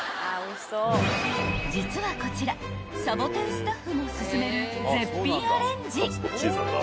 ［実はこちらさぼてんスタッフも薦める絶品アレンジ］